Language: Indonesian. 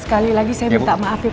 sekali lagi saya minta maaf ya pak